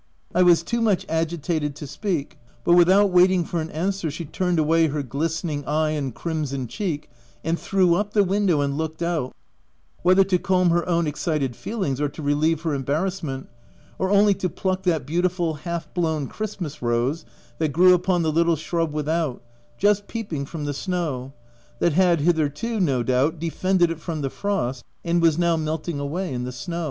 327 I was too much agitated to speak ; but, with out waiting for an answer, she turned away her glistening eye and crimson cheek, and threw up the window and looked out, whether to calm her own excited feelings or to relieve her em barrassment, — or only to pluck that beautiful half blown Christmas rose that grew upon the little shrub without, just peeping from the snow, that had hitherto, no doubt, defended it from the frost, and was now melting away in the sun.